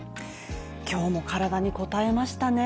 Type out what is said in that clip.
今日も体にこたえましたね。